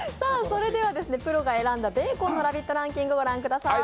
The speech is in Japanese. それではプロが選んだベーコンのランキング御覧ください。